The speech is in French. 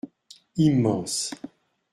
Immense.